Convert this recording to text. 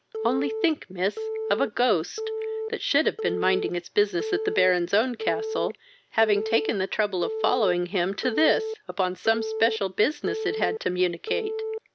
Only think, miss, of a ghost, that should have been minding its business at the Baron's own castle, having taken the trouble of following him to this upon some special business it had to municate.